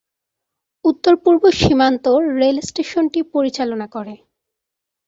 উত্তর-পূর্ব সীমান্ত রেল স্টেশনটি পরিচালনার করে।